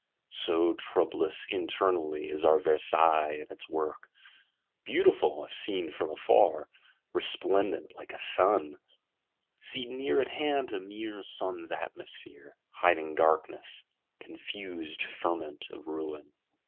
So troublous internally is our Versailles and its work. Beautiful, if seen from afar, resplendent like a Sun; seen near at hand, a mere Sun's Atmosphere, hiding darkness, confused ferment of ruin!